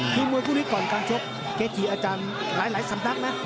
คือมวยคู่นี้ก่อนการชกเกจิอาจารย์หลายสำนักนะ